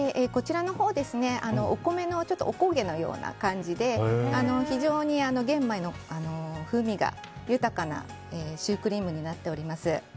お米のおこげのような感じで非常に玄米の風味が豊かなシュークリームになっています。